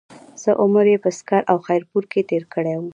څۀ عمر پۀ سکهر او خېر پور کښې تير کړے وو